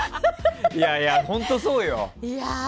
いやいや、本当にそうよ。